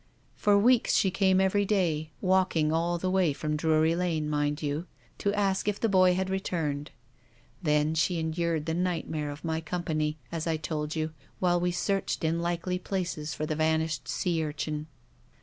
For weeks she came every day — walking all the way from Drury Lane, mind you — to ask if the boy had returned. Then she endured the nightmare of my company, as I told you, while we searched in likely places for the vanished sea urchin.